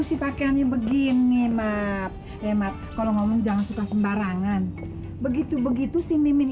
sih pakainya begini mat ya mat kalau ngomong jangan suka sembarangan begitu begitu sih mimin